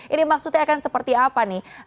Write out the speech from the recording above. ini maksudnya akan seperti apa nih